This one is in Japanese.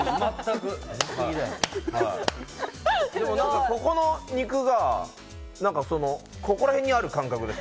でもなんか、ここの肉がここらへんにある感覚です。